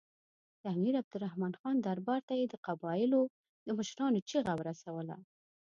د امیر عبدالرحمن خان دربار ته یې د قبایلو د مشرانو چیغه ورسوله.